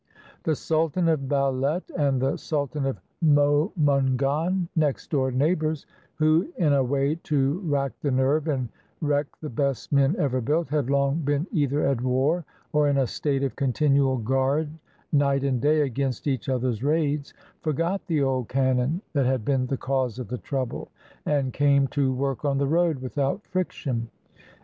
The sultan of Balet and the sultan of Momungan, next door neighbors who, in a way to rack the nerve and wreck the best men ever built, had long been either at war or in a state of continual guard night and day against each other's raids, forgot the old cannon that had been the cause of the trouble, and came to work on the road without friction.